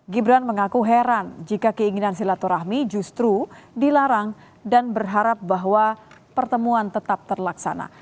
gibran mengaku heran jika keinginan silaturahmi justru dilarang dan berharap bahwa pertemuan tetap terlaksana